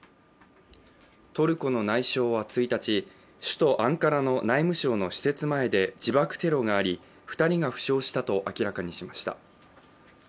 トルコの内相は１日首都アンカラの内務省の施設前で２人が負傷したと明らかにしました。